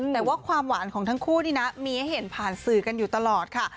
แต่ว่าความหวานของทั้งคู่นี่นะมีให้เห็นผ่านสื่อกันอยู่ตลอดค่ะ